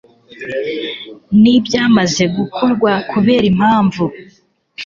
n ibyamaze gukorwa kubera impamvu